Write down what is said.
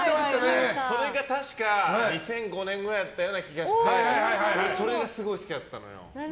それが確か２００５年くらいだったような気がしてそれがすごい好きだったのよ。